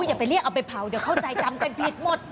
อย่าไปเรียกเอาไปเผาเดี๋ยวเข้าใจจำกันผิดหมด